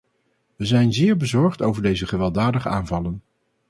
We zijn zeer bezorgd over deze gewelddadige aanvallen.